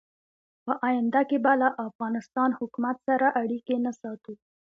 په آینده کې به له افغانستان حکومت سره اړیکې نه ساتو.